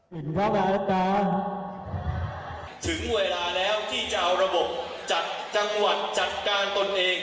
ถึงเวลาแล้วที่จะเอาระบบจัดจังหวัดจัดการตนเอง